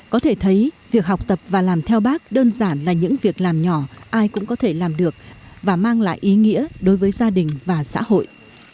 có thể thấy việc học tập và làm theo bác đơn giản là những việc làm nhỏ ai cũng có thể làm được và mang lại ý nghĩa đối với gia đình và xã hội